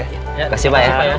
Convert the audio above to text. terima kasih pak